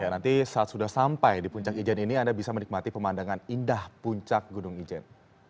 nanti saat sudah sampai di puncak ijen ini anda bisa menikmati pemandangan indah puncak gunung ijen